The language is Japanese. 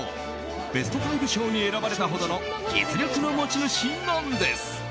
ベスト５賞に選ばれたほどの実力の持ち主なんです。